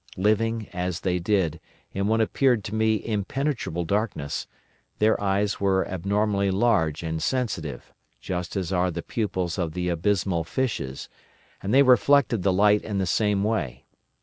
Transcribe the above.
Living, as they did, in what appeared to me impenetrable darkness, their eyes were abnormally large and sensitive, just as are the pupils of the abysmal fishes, and they reflected the light in the same way.